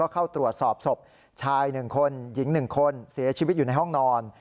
เข้าตรวจสอบศพชาย๑คนหญิง๑คนเสียชีวิตอยู่ในห้องนอน